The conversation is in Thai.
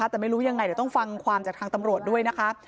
แต่ไม่รู้ยังไงเดี๋ยวต้องฟังความจากทางตำรวจด้วยนะคะ